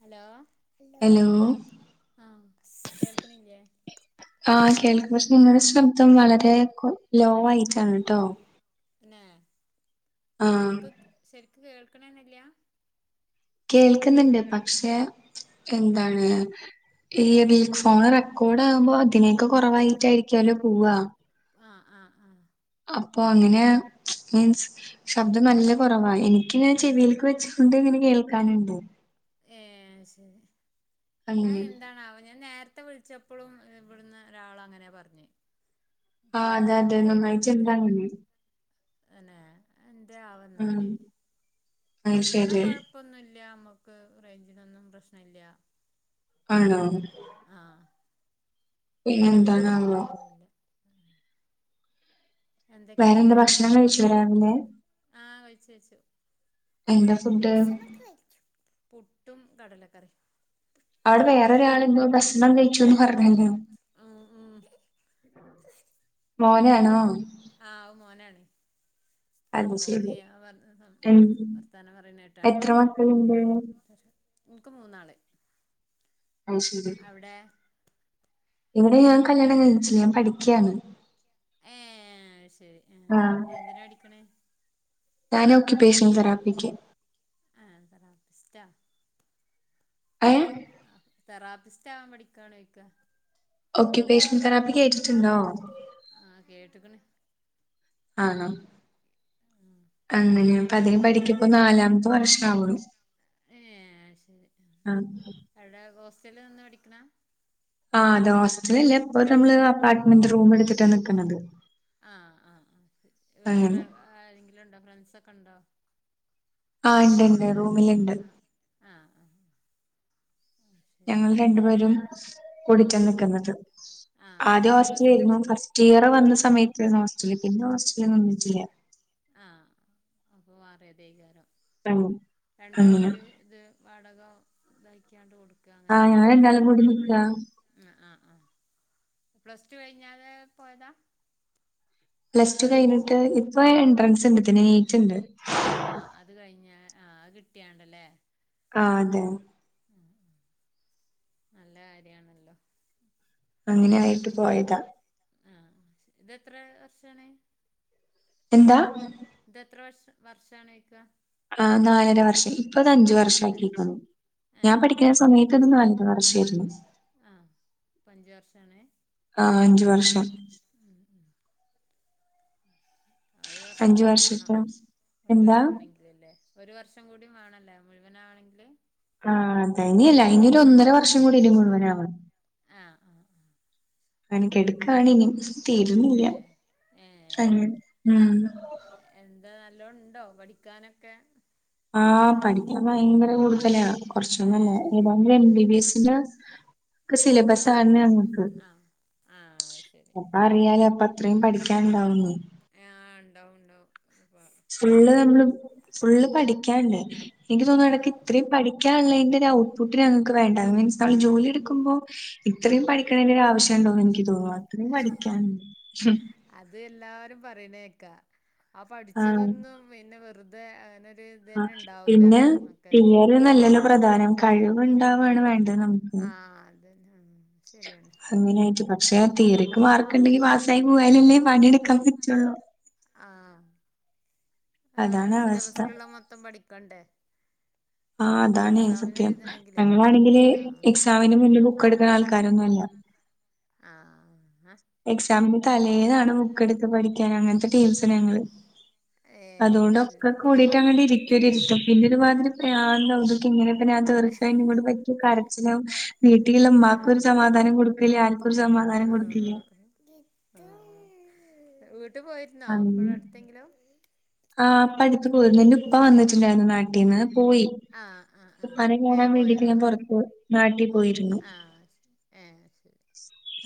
Hello hello ആഹ് കേൾക്കണില്ലേ ആഹ് കേൾക്കും പക്ഷെ ഇങ്ങളെ ശബ്ദം വളരെ കൊ ലോ ആയിട്ടാണ് ട്ടോ. തന്നെ ആഹ് തെര്ക്ക്ക്ക്‌ ശെര്ക്ക് കേൾക്ണന്നല്ല്യ. കേൾക്കുന്നുണ്ട് പക്ഷെ ആഹ് എന്താണ് ഈ ഫോണ് റെക്കോർഡ് ആകുമ്പോ അതിനേക്ക കുറവായിട്ടായിരിക്കല്ലോ പോവാ ആഹ് ആഹ് ആഹ് അപ്പൊ അങ്ങനെ മീൻസ് ശബ്ദം നല്ല കുറവാ എനിക്ക് ഞാൻ ചെവിൽക്ക് വെച്ച്കൊണ്ട് ഇങ്ങനെ കേൾക്കാനുണ്ട്. ഏ ശരി ആ അങ്ങനെ എന്താണാവോ ഞാൻ നേരത് വിളിച്ചപ്പോഴും ഇവിടന്ന് ഒരാള് അങ്ങനാ പറഞ്ഞെ ആഹ് അതെ പിന്നെ അതെ നന്നായിട്ട് ഉണ്ട് കേക്കണില്ലന്ന്ള്ള അങ്ങനെ അന്നെ ആഹ് എന്തെന്നാവംന്നാല്. അത് [unintelligible] ഇവ്ടെ ശരി കൊഴപ്പൊന്നുല്ല അമ്മക്ക് റേഞ്ചിനൊന്നും പ്രശ്നല്ല്യ. ആണോ? ആഹ്. പിന്നെ അങ്ങനെ എന്താണാവോ? കുഴപ്പൊന്നുമില്ല എന്തൊക്കെണ്ട് [unintelligible] ഭക്ഷണം കഴിച്ചോ? ആഹ് കയ്ച്ചു കയ്ച്ചു. എന്താ ഫുഡ് പുട്ടും കടലക്കറിം. അവ്ടെ വേറൊരാളെന്തോ ഭക്ഷണം കൈച്ചുന്ന് പറഞ്ഞില്ലേ? മ്ഹ് മ്ഹ് മോനാണോ? ആ അഹ് മോനാണ്. അത് ശരി [unintelligible] എൻ- വർത്താനം പറിണേട്ടാണ്ടി. എത്ര മക്കളുണ്ട് ഇൻക് മൂന്നാള്. അത് ശെരി. എവിടെ? ഇവ്ടെ ഞാൻ കല്യാണം കയ്ഞ്ഞിട്ടില്ല ഞാ പഠിക്ക്യാണ്. ഏഹ് അത് ശെരി എ ആഹ് എന്തിനാ പടിക്ക്‌ണെ? ഞാൻ ഒക്കിപേഷൻ തെറാപ്പിക്ക്. ആഹ് തെറാപ്പിസ്റ്റാ. ഏഹ്. ആഹ് തെറാപ്പിസ്റ്റ് ആവാൻ പഠിക്കാണോയ്ക്ക. Occupation therapy കേട്ട്ട്ടുണ്ടോ? ആഹ് കേട്ട്ക്ണ്. ആണോ? ഉം. അങ്ങനെ അപ്പൊ അതിന് പഠിക്കപ്പോ നാലാമത്തെ വർഷം ആവണു [unintelligible] [unintelligible] അവ്ടെ ഹോസ്റ്റലിൽ നിന്ന് പഠിക്ക്‌ണ? ആഹ് അതെ ഹോസ്റ്റലില്ല ഇപ്പൊ നമ്മള് അപ്പാട്ട്മെന്റ് റൂം എട്ത്തിട്ടാണ് നിക്ക്‌ണത്. ആ ആ ആ ഹ് വേറെ ആരെെങ്കിലുണ്ടോ ഫ്രൺസൊക്കെണ്ടോ? ആഹ് ഇണ്ട്ണ്ട് റൂമിൽ ഇണ്ട്. ആഹ് ആഹ് ഞങ്ങൾ രണ്ടു പേരും എന്നാ കൂടിട്ട ആ നിക്ക്‌ന്നത്. ആ ആദ്യം ശരി പ്ലസ് ടു ഹോസ്റ്റലേര്ന്നു ഫസ്റ്റ് ഇയർ വന്ന സമയത്തേര്ന്നു ഹോസ്റ്റല് പിന്നെ ഹോസ്റ്റല് നിന്നിട്ടില്ല. ആഹ് അപ്പൊ മാറിയതെക്കാരം. [unintelligible] രണ്ടാളും അങ്ങനെ കൂടി ഇത് വാടകം തയ്ക്കാണ്ട് കൊടുക്കും. ആഹ് ഞങ്ങ രണ്ടാളും കൂടി നിക്കാ. ഹ്മ് ആ ആ പ്ലസ് ടു കൈഞ്ഞാരെ പോയതാ? പ്ലസ് ടു കൈന്ട്ട് ഇപ്പൊ എൻട്രൻസ്ണ്ട് തിന് നീറ്റ്ണ്ട്. ആഹ് അത് കഴിഞ്ഞു ആഹ് കിട്ടിയാണ്ടല്ലേ. ആ അതെ. ഉം ഉം നല്ല കാര്യാണല്ലോ? അങ്ങനെആയി. [inaudible] ആഹ് ഇതെത്ര വർഷാണ്? എന്താ? ഇതെത്ര വഷ വർഷാണോയ്ക്കാ. ആ നാലര വർഷം ഇപ്പ അത് അഞ്ച് വർഷം നാലര ആക്കിട്ടുള്ളു ഞാൻ പഠിക്കുന്ന വർഷം സമയത്ത് ഇപ്പത് ഇന്ന് [unintelligible] പഞ്ച വർഷണ ആഹ് അഞ്ച് വർഷം ഉം ഉം ഒരു വർഷം അഞ്ചു കൂടി വേണം വർഷത്തെ മുഴുവൻ എന്താ ആവണങ്കി അതല്ലേ ഒരു വർഷം കൂടി വേണല്ലേ മുഴുവനാണെങ്കിൽ ആഹ് ദനല്ല അനൊ ഒന്നര വർഷം കൂടി മുഴുവനാവണം ആഹ് ആഹ് ആ എനിക്ക എടുക്കണും ആഹ് തീരുന്നില്ല ഏഹ് ഏഹ് അങ്ങെ ഉം എന്താ നല്ലോണ്ടോ പഠിക്കാനൊക്കെ ആഹ് പഠിക്കാൻ ഭയങ്കര കൂടുതലാ കുറച്ചൊന്നുംല്ല ഏഹ് ശരി ഏതാങ്കും എം ബി ബി എസിന്റെ ഒക്കെ ആര് സിലബസാണ് ഞങ്ങക്ക് ആഹ് ആഹ് ശരി അപ്പ അറിയാലേ അപ്പ അത്രയും പഠിക്കനുണ്ടാവുന്നു ആഹ് ഉണ്ടാവും ഉണ്ടാവും ഫുള്ള് നമ്മള് ഫുള്ള് പഠിക്കാണ്ട് എനിക്ക് തോന്നുന്നു ഇടക്ക് ആഹ് ഇത്രയും പഠ ക്കാനുള്ള ലൈന്റെ ഔട്ട്ഫുട്ട് ഞങ്ങൾക്ക് വേണ്ട മീൻസ് നമ്മള് ജോലി എടുക്കുമോ ഇത്രയും ആഹ് പഠിക്കണേന്റെ ഒരു ആവശ്യംണ്ടോന്ന് എനിക്ക് തോന്നുന്നു അത്രയും പഠിക്കൻ അത് എല്ലാവരും പറയണേക്കാ ആ ആഹ് പഠിച്ചതൊന്നും പിന്നെ വെറുതെ അങ്ങനെരു ഇതന്നെ ഉണ്ടാവൂല ഒക്കെ നല്ലല്ലോ പ്രധാനം കഴിവുണ്ടാവാണ് വേണ്ടത് നമുക്ക് അതനെ ശരിയാണ് അങ്ങനായിട്ട് പ പക്ഷെ തീരക്ക് മാർക്കണ്ടെങ്കി പാസ്സായി പോയാലല്ലേ പണിയെടുക്കാൻ പറ്റുള്ളു ആഹ് സിലബസിലുള്ള മൊത്തം പഠിക്കണ്ടേ ആ അതാണ് എക്സാമിന് സത്യം എഴുതണെങ്കിലേ ഞങ്ങളാണെങ്കില് ആഹ് എക്സാമിന് മുന്നിൽ ബുക്ക് എടുക്കുന്ന ആൾക്കാരൊന്നും അല്ല ആഹ് എക്സാമിന് തലേന്നാണ് ബുക്ക് എടുത്ത് പഠിക്കാൻ അങ്ങനത്തെ ടീമിസ് ഞങ്ങള് ഏഹ് അതോണ്ട് ക്കെ ശരി കൂടി [unintelligible] കരച്ചിലാവും വീട്ടിൽ ഉമാക്കൊരു ആഹ് സമാധാനം കൊടുക്കില്ല ആർക്കൊരു സമാധാനം ആഹ് കൊടുക്കില്ല ആഹ് വീട്ട് പോയിരുന്നോ ഇവട അടുത്തെങ്കിലും ആഹ് പഠപ്പ പോയിരുന്നു ഇന്റെ ഇപ്പ വന്നിട്ടുണ്ടായിരുന്നു നാട്ടീന്ന് പോയി ആഹ് ആഹ് ആഹ് ഉപ്പാനെ കാണാൻ ഏഹ് വേണ്ടിട്ട് പോയോ ഞാൻ ആഹ് പൊറത്ത് നാട്ടി പോയിരുന്നു ആഹ് ഏഹ് ശരി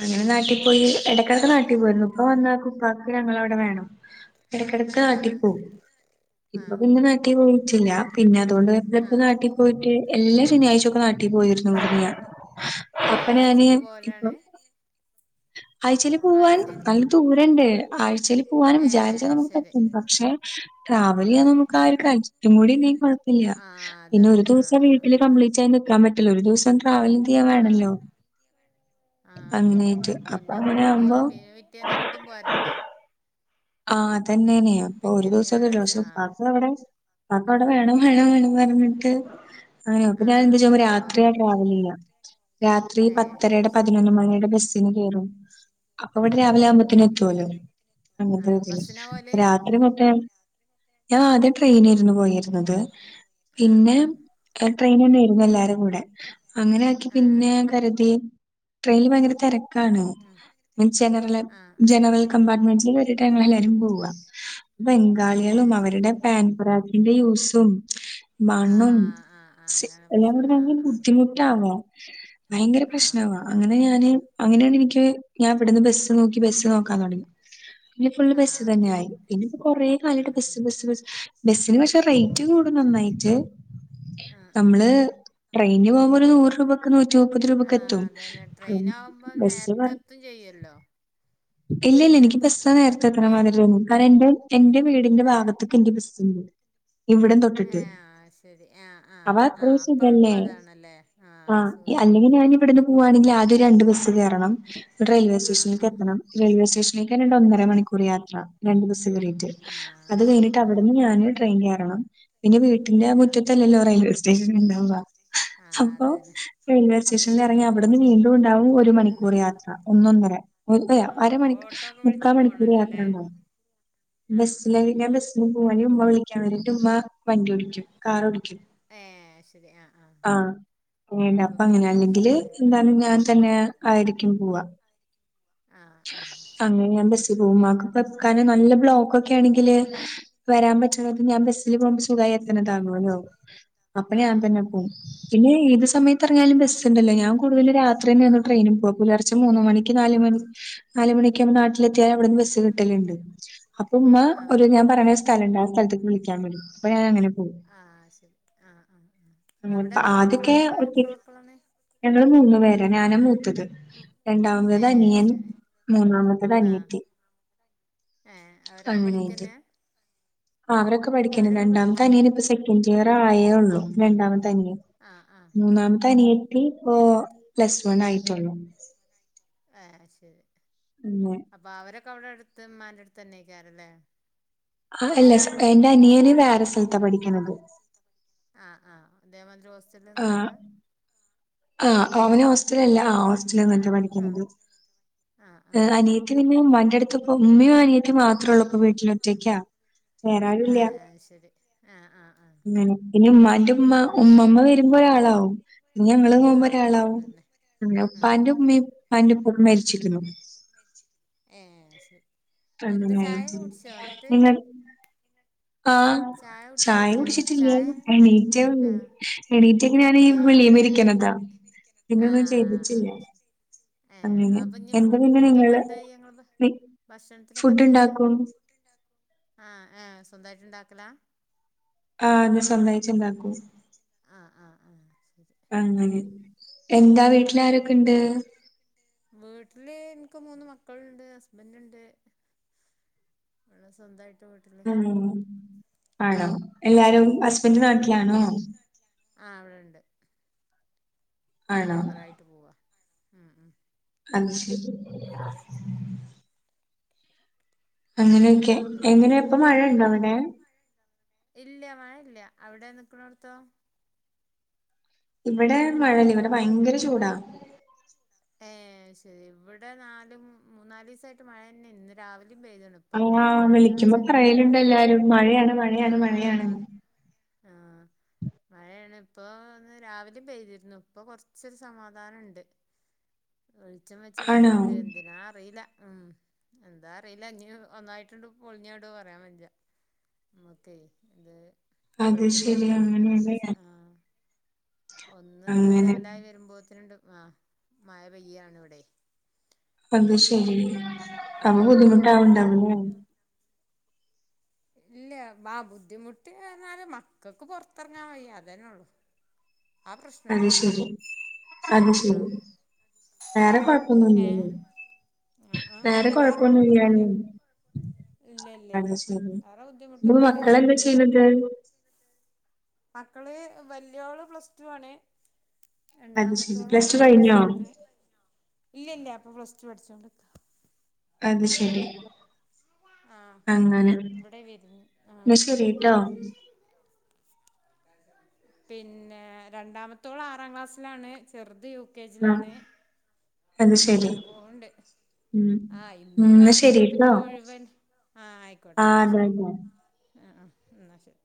അങ്ങനെ നാട്ടി പോയി എടയ്ക്കടയ്ക്ക് നാട്ടി പോയിരുന്നു ഇപ്പൊ [unintelligible] ഉപ്പാക്ക് ഞങ്ങളവടെ വേണം എടക്കെടക്ക് ആഹ് നാട്ടിപ്പോവും ശരി ഇപ്പൊ ആഹ് പിന്നെ നാട്ടി പോയിട്ടില്ല പിന്നെ അതോണ്ട് ആഹ് [unintelligible] പോയിട്ട് എല്ലാ ശനിയാഴ്ച്ചോക്കെ നാട്ടി പോയിരുന്നു [inaudible] അപ്പ ഏഹ് ഞാന് ആഴ്ചേല് ഇപ്പൊ പോവലാണ് ആഴ്ച്ചേല് പോവാൻ ആഴ്ചേല് നല്ല ദൂരണ്ട് ആഴ്ച്ചേല് പോവാനും വിചാരിച്ചാ ഏഹ് നമുക്ക് ശരി പറ്റും പക്ഷെ ട്രാവലെയ്യാൻ ആഹ് നമുക്ക് ആ ഒരു [unintelligible] കൂടിണ്ടെങ്കിൽ കൊഴപ്പല്ല ആഹ് പിന്നെ അതാണ് ഒരു ആഹ് ദിവസം ആഹ് വീട്ടില് ആഹ് കംപ്ലീറ്റായി നി ക്കാൻ പറ്റില്ല ഒരു ദിവസം ട്രാവലിങ് ചെയ്യാൻ ആഹ് വേണല്ലോ ആഹ് അതന്നെ അങ്ങനെയായിട്ട്. അപ്പൊ പിന്നെ അങ്ങനെ ഇങ്ങട്ട് പോ ആവുമ്പോ പിന്നെ പിറ്റേന്ന് ഇങ്ങട്ടും പോരണ്ടേ ആഹ് അതന്നെനെനെയ്. അപ്പൊ ഒരു പിറ്റേന്ന് ദിവസൊക്കെ ഞായറാഴ്ച ഒരുസം ആഹ് പ്പാക്കും അവടെ അപ്പൊ വിടെ വേണം വേണം വേണം പറഞ്ഞിട്ട് അങ്ങനെയ അപ്പൊ ഞാൻ ആഹ് എന്താ ചെയുമ്പോ അങ്ങനെ രാത്രിയാ പോവല്ലേ ട്രാവലില്ല രാത്രി ഏഹ് പത്തരയുടെ ശരി പതിനൊന്ന് മണിയുടെ ബസ്സിന് കേറും അപ്പൊ ഇവിടെ ആഹ് രാവിലെ ആഹ് ആവുമ്പത്തന് ആഹ് എത്തുവല്ലോ അങ്ങനത്തെ ആഹ് രീതിയില്. ബസ്സിനാ പോവല് രാത്രി മൊത്ത ഞാൻ ആദ്യം ട്രെയിനെയ്രുന്നു പോയിരുന്നത്. ആഹ് പിന്നെ ആഹ് ട്രെയിനെന്നെ യ്രുന്നു എല്ലാരും കൂടെ അങ്ങനെ ആക്കി ആഹ് പിന്നെ ശരി കരുതി ട്രെയിനില് ഭയങ്കര തെരക്കാണ്. മിൻ ജനറൽ ആഹ് ആഹ് ആഹ് ജനറൽ കമ്പാർ്മെന്റ്സിൽ വരെ ന്നട്ട് ഞങ്ങളെല്ലാരും പോവ ഏഹ് ബംഗാളികളും ശരി അവരുടെ പാൻപരാഗിന്റെ യൂസും മണ്ണും ആഹ് ആഹ് ആഹ് അങ്ങനെ എല്ലാ പ്രശ്നം കൂടെ ആഹ് ഭയങ്കര ആഹ് ബുദ്ധിമുട്ടാവാ ഭയങ്കര പ്രശ്നം ആഹ് ആവാ ആഹ് അങ്ങനെ ഞാന് അങ്ങനെയാണ് എനിക്ക് ഞാൻ ഇവിടുന്ന് ബസ്സ് നോക്കി ബസ് നോക്കാൻ തുടങ്ങി. [unintelligible] പിന്നെ ഫുൾ ബസ് ആഹ് തന്നെ ആയി ശരി പിന്നെ ഇപ്പ കൊറേ കാലയിട്ട് ആഹ് ബസ് ആഹ് ആഹ് ആഹ് ബസ് ബസ് ബസിന് പക്ഷെ റേറ്റ് കൂടും നന്നായി. നമ്മള് ട്രെയിൻ അതെ പോകുമ്പോ ഒരു നൂറ് രൂപ ക്ക്‌ നൂറ്റി മുപ്പത് രൂപക്ക് എത്തും ആഹ് ബസ് ത്തും ചെയ്യല്ലോ ഇല്ല ഇല്ല എനിക്ക് നേരത്തെ ബസാ എത്തൂലേ നേരത്തെ എത്തണ ഏ മാതിരി തോന്നുന്ന്. കാരണം എന്റെ എന്റെ വീടിന്റെ തന്നെ ഭാഗത്ത് [unintelligible] ഇവിടം ഏ തൊട്ടിട്ട് ആ ശരി ആഹ് ആഹ് അപ്പൊ അത്രയും ആഹ് അപ്പള് സുഖല്ലേ? പ്പ താണല്ലേ ആഹ് സുഖാണ് അപ്പോ. പോവാണെങ്കിൽ ആദ്യം രണ്ട് ബസ്സ് കേറണം ന്നിട്ട് റെയിൽവേ ആ ആ സ്റ്റേഷനിലേക്ക് എത്തണം. റെയിൽവേ സ്റ്റേഷനിലേക്ക് തന്നെ ആ ഇണ്ട് ഒന്നര മണിക്കൂർ യാത്ര രണ്ട് ദിവസം വരും. ആ അത് ശരി കഴിഞ്ഞിട്ട് ആ ആ അവിടുന്ന് ആ ഞാന് ട്രെയിൻ കേറണം. പിന്നെ വീട്ടിന്റെ ആ മുറ്റത്തല്ലല്ലോ റെയിൽവേ സ്റ്റേഷൻ ഉണ്ടാവുക ആ അപ്പൊ അതന്നെ റെയിൽവേ അപ്പൊ സ്റ്റേഷനിൽ ഇറങ്ങി പിന്നിം അവിടുന്ന് പോണ്ട് വീണ്ടും ഉണ്ടാവും ഒരു ഉം മണിക്കൂർ ഉം യാത്ര. ഒന്നൊന്നര ഒന്നര ആഹ് അപ്പൊ അരമണിക്ക് ഓട്ടോ ഒക്കെ വിളിച്ച് മുക്കാൽ മണിക്കൂർ യാത്ര പോണല്ലോല്ലേ ണ്ടാവും. ആഹ് ബസ്സില് ആഹ് ഞാൻ ബസ്സിന് പോക ഉമ്മ വിളിക്കാൻ വരും ഉമ്മ വണ്ടിഓടിക്കും കാറോടിക്കും. ഏഹ് ശരി ആഹ് ആഹ് ആഹ് എനി അപ്പൊ അപ്പ അങ്ങനെ പിന്നെ അല്ലെങ്കില് പ്രശ്നല്ല എന്താണ് ഞാൻ തന്നെ ഉം ഉം ആയിരിക്കും പോവ. ആഹ് ആഹ് ശരി അങ്ങനെ ഞാൻ ബസില് പോകും ഉമ്മാക്ക് പിന്നെ ബെക്കാൻ നല്ല നമുകൊക്കെ ആണെങ്കിൽ വരാൻ പറ്റണത് ഞാൻ ബസ്സില് പോകുമ്പോ സുഖായി എത്തണതാകോലോ. അപ്പൊ ഞാൻ ആഹ് തന്നെ ആഹ് പോവും ആഹ് പിന്നെ ഏത് സമയത്ത് ഇറങ്ങിയാലും ഏഹ് ബസ് ശരി ഇണ്ടല്ലോ ഞാൻ കൂടുതൽ രാത്രി തന്നെ ന്ന് ട്രെയിനിൽ പോകും. പുലർച്ചെ മൂന്ന് മണിക്ക് നാല് മണിക്ക് നാല് മണിക്ക് നമ്മ മണി നാട്ടിലെത്തിയാൽ അവിടുന്ന് ബസ് കിട്ടലുണ്ട്. അപ്പൊ ഉമ്മ ആഹ് ഒരു ഞാൻ ആ പറയണ ഒരു ശരി സ്ഥലണ്ട് ആ സ്ഥലത്തേക്ക് വിളിക്കാൻ വരും അപ്പൊ ഞാൻ അങ്ങനെ പോകും ആഹ് ശരി ആഹ് ആ ഉം ആ അവിടെ എത്ര മക്കളങ്ങള് എത്ര മക്കളാണ്? ഞങ്ങൾ മൂന്ന് പേർ. ഞാനാ മൂത്തത് ഏ രണ്ടാമത് അനിയൻ ശരി മൂന്നാമത്തത് അനിയത്തി. ഏഹ് അങ്ങനെ ആയിട്ട്. ആ അവരൊക്കെ പഠിക്കണ്, അവരൊക്കെ പഠിക്കാ രണ്ടാമത്തെനിയനിപ്പം സെക്കൻഡ് ഇയർ ആയേ ഉള്ളൂ രണ്ടാമത്തനിയൻ ആഹ് ആഹ് മൂന്നാമത്തെ ആഹ് അനിയത്തി ഇപ്പോ പ്ലസ് വൺ ആയിട്ടുള്ളൂ എഹ് ശരി [unintelligible] അപ്പൊ അവരൊക്കെ അവിടെ അടുത്ത് ഉമ്മാൻ്റെ അടുത്ത് തന്നെയിക്കാരല്ലേ? ആഹ് അല്ല എന്റെ അനിയന് വേറെ സ്ഥലത്താ പഠിക്കണത്. ആഹ് ആഹ് ഇതേ മാതിരി ഹോസ് ആഹ് ആഹ് അവന് ഹോസ്റ്റല് അല്ല ആ ഹോസ്റ്റല് നിന്നിട്ട ആഹ് പഠിക്കണത്. ആഹ് ആഹ് ഏഹ് ആഹ് അനിയത്തി പിന്നെ ഉമ്മാന്റെടുത്ത് ഇപ്പോ ഉമ്മയും അനിയത്തി മാത്രോ ളളൂ. ഇപ്പം വീട്ടിലൊറ്റയ്ക്ക വേറെ ആരൂയില്ലാ അത് ശരി ആഹ് ആഹ് ആഹ് അങ്ങനെ പിന്നെ ഉമ്മാന്റെ ഉമ്മ ആഹ് ഉമ്മാമ്മ വരുമ്പോ ആളാവും ഇഞ് ഞങ്ങൾ പോകുമ്പോ ആഹ് ഒരാളാവും. അതന്നെ ഉം ഉപ്പാന്റെ ഉം ഉമ്മയും ഉപ്പാന്റെ ഉപ്പയും മരിച്ചിക്കണ ഏഹ് ശരി എന്താ ചായക്കെ അങ്ങനായിട്ട് കുടിച്ചോ ന്നിട്ട്? നിങ്ങൾ ആഹ് ചായ കുടിച്ചോയ്ച്ചാ കുടിച്ചിട്ടില്ലേ ചായ എണീറ്റേയുള്ളൂ ആഹ് എണീറ്റെയ്ക്ക്‌ണ് ഞാൻ ഏഹ് ശരി വിളിയിമ്മരിക്കണതാ. പിന്നൊന്നും ആഹ് ആഹ് ചെയ്തിട്ടില്യ. ഏഹ് അപ്പൊ ഇനി ഫുഡ്ഡൊക്കെ എന്താ ചെയ്യാ ങ്ങള് നി ഭക്ഷണത്തിലൊക്കെ ഫുഡ് എന്താ ചെയ്യാ? ഉണ്ടാക്കും ആഹ് ആഹ് സ്വന്തായിട്ടുണ്ടാക്കല? ആഹ് [unintelligible] സ്വന്തായി ആ ആ ആഹ് ശെരി അങ്ങനെ എന്താ വീട്ടിലാരൊക്കെണ്ട് എന്റെ വീട്ടില് എനിക്ക് മൂന്ന് മക്കളുണ്ട് ഹസ്ബൻറ് ഒണ്ട് അവിടെ സ്വന്തായിട്ട് വീട്ട് പിന്നെ ഉം ആണോ ഇക്കാ എല്ലാരും ഹസ്ബൻഡ് ആഹ് നാട്ടിലാണോ ഹസ്ബൻഡ് നാട്ടിലാ ആഹ് ഇവിടെണ്ട് ആണോ ഡ്രൈവറായിട്ട് പോവാ ഉം ഉം അത് ശരി [unintelligible] അങ്ങനെയൊക്കെ എങ്ങനെ പിന്നെ ഇപ്പൊ മക്ക മഴണ്ടോ ആഹ് അവിടെ ഇല്ല മഴ ഇല്ല അവിടെ നിക്ക്ണോട്ത്തോ ഇവടെ മഴയല്ല ഇവടെ ഭയങ്കര ചൂടാ ഏഹ് അയ്ശരി ഇവിടെ നാലും മൂന്നാലീ സായിട്ട് മഴ യെന്നെ ഇന്ന് രാവിലെയും പെയ്ത്ണ് ഇപ്പൊ ഒന്നഅത് ആഹ് വെളിച്ചം വിളിക്കുമ്പോ വെച്ചഅങ്ങനെ പറയലുണ്ട് വരുന്നുണ്ട് എല്ലാരും മഴയാണ് ആ മഴയാണ് ആ മഴയാണ് ആഹ് മഴയാണ് ഇപ്പൊ ഒന്ന് രാവിലിം പെയ്തിരുന്നു ഇപ്പൊ കുറച്ചൊരു സമാധാനണ്ട് വെളിച്ചം വെച്ച് ആണോ വര്ണ്ട് എന്തിനാ അറീല്ല ഉം എന്താ അറീല്ല ഇഞ്ഞ് ഒന്നായിട്ടാണ്ട് പൊളിഞ്ഞാടോ പറയാൻ ബജ്ജ നമ്മക്കെ ഇത് അത് വെളിച്ചം ശരി വെക്ക്ണ അങ്ങനെണ്ട് അങ്ങനെയല്ലേ ആഹ് ഒന്നൊന്ന് അങ്ങനെ ലെവലായി വരുമ്പോത്തിനാണ്ട് ആ മഴ പെയ്യാണ് ഇവടെ അത് ശരി അപ്പൊ ആ ബുദ്ധിമുട്ടാണ്ടണ്ടാവും ഇല്ല ആ ബുദ്ധിമുട്ട്ന്ന് പറഞ്ഞാല് മക്കക്ക് പൊറത്തെറങ്ങാൻ വയ്യ അതന്നെ ഒള്ളൂ അത് ശരി അത് ആ ശരി വേറെ ഏ കൊഴപ്പൊന്നുയില്ലേ ആ ആ വേറെ ഇല്ല കുഴപ്പൊന്നുല്ല കൊഴപ്പൊന്നീല്ലാന്ന് ഇല്ല ഇല്ല അത് ഇല്ല ശെരി വേറെ ബുദ്ധിമുട്ടും ഇപ്പൊ മക്കളെന്താ കാര്യങ്ങളൊന്നുല്ല ചെയ്യുന്നത് മക്കള് വല്ല്യോള് പ്ലസ് ടു ആണ് അത് ശരി രണ്ടാമത്തോള് പ്ലസ് ടു ആറാം കഴിഞ്ഞോ ക്ലാസ്സിലാണ് ഇല്ല്യ ഇല്ല്യ ഇപ്പൊ പ്ലസ് ടു പഠിച്ചോണ്ട്ക്കാ അത് ശരി ആഹ് അങ്ങനെ ഇവടെ വെരുന്നു ആഹ് എന്നാ ശരിട്ടോ പിന്നെ രണ്ടാമത്തോള് ആറാം ക്ലാസ്സിലാണ് ചെറുത് U K U K G ആ ലാണ് അത് ശരി അങ്ങനെ പോകണ്ട് ഉം ആ ഉം ഇന്നും എന്നാ നാളെയൊക്കെ പിന്നെ ശരിട്ടോ ഒഴിവെൻ ആ ആയിക്കോട്ടെ ആ ഇന്നാ അതെ ശെരി അതെ ആ ആ എന്നാ ശെരി